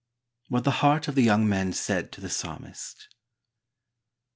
■WHAT THE HEART OF THE YOUNG MAN SAID TO THE PSALMIST.